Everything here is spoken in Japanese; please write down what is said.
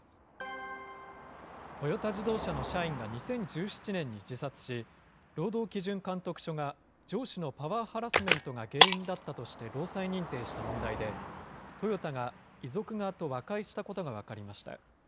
トヨタ自動車の社員が２０１７年に自殺し、労働基準監督署が上司のパワーハラスメントが原因だったとして労災認定した問題で、トヨタが遺族側と和解したことが分かりました。